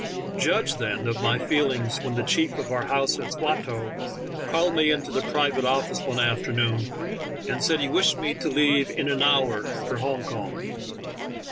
Judge, then, of my feelings when the chief of our house at Swatow called me into the private office one afternoon, and said he wished me to leave in an hour for Hong Kong.